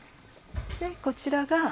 こちらが。